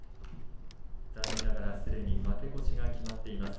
残念ながらすでに負け越しが決まっています。